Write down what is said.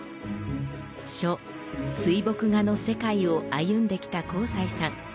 書水墨画の世界を歩んできた幸才さん